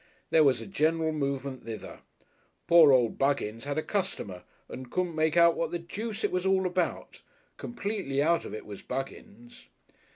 There was a general movement thither. Poor old Buggins had a customer and couldn't make out what the deuce it was all about! Completely out of it was Buggins.